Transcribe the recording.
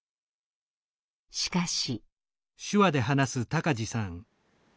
しかし。